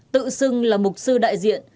tự xưng là mục sư đại diện